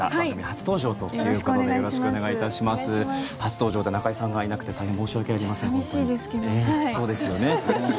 初登場で中居さんがいなくて大変申し訳ありません、本当に。